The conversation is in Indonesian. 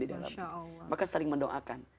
di dalamnya maka saling mendoakan